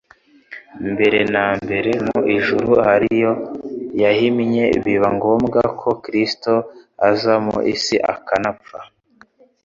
mbere na mbere mu ijuru ari yo yahimye biba ngombwa ko Kristo aza mu isi, akanapfa.